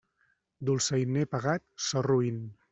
Dolçainer pagat, so roín.